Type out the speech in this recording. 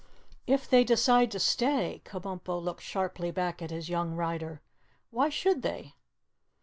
"If they decide to stay?" Kabumpo looked sharply back at his young rider. "Why should they?"